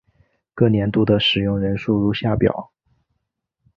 各年度的使用人数如下表。